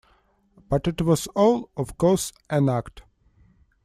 But it was all, of course, an act.